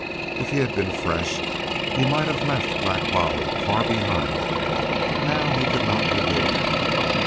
If he had been fresh he might have left Black Bolly far behind, but now he could not elude her.